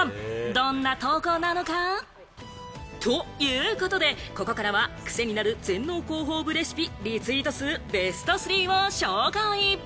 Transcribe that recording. どんな投稿なのか？ということで、ここからはクセになる全農広報部レシピ、リツイート数ベスト３を紹介。